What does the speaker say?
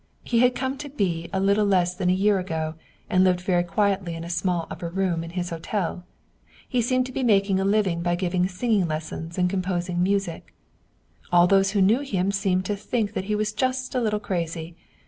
He had come to B. a little less than a year ago, and lived very quietly in a small upper room in his hotel. He seemed to be making a living by giving singing lessons and composing music. All those who knew him seemed to think that he was just a little crazy.